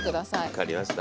分かりました。